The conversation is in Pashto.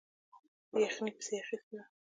یخنۍ پسې اخیستی وو.